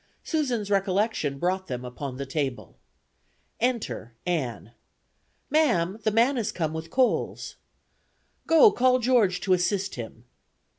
Susan's recollection brought them upon the table. "Enter Ann. 'Ma'am, the man is come with coals.' "'Go, call George to assist him.'